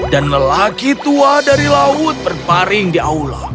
dan lelaki tua dari laut berparing di aula